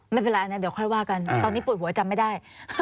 ไม่เป็นไรอันนั้นเดี๋ยวค่อยว่ากันตอนนี้ปวดหัวจำไม่ได้